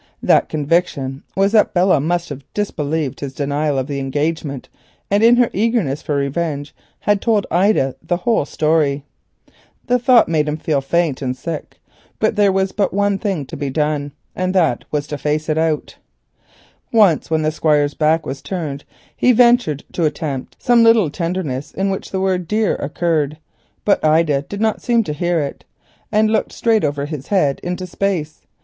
This conviction was, that Belle had disbelieved his denial of the engagement, and in her eagerness for revenge, must have told Ida the whole story. The thought made him feel faint. Well, there was but one thing to be done—face it out. Once when the Squire's back was turned he had ventured to attempt some little verbal tenderness in which the word "dear" occurred, but Ida did not seem to hear it and looked straight over his head into space.